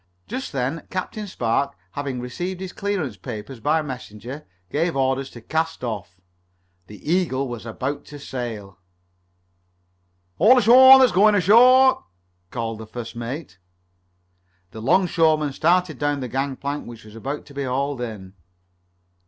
Just then Captain Spark, having received his clearance papers by messenger, gave orders to cast off. The Eagle was about to sail. "All ashore that's going ashore!" called the first mate. The 'longshoreman started down the gangplank which was about to be hauled in.